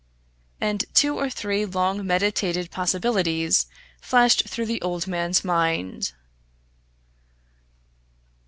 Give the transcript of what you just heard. And two or three long meditated possibilities flashed through the old man's mind.